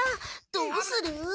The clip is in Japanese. どうする？